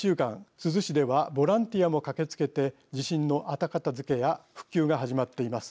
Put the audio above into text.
珠洲市ではボランティアも駆けつけて地震の後片づけや復旧が始まっています。